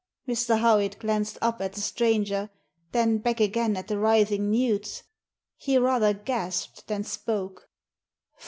Mr. Howitt glanced up at the stranger, then back again at the writhing newts. He rather gasped than spoke.